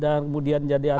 dan kemudian jadi ada